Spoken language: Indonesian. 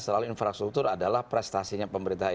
selalu infrastruktur adalah prestasinya pemerintah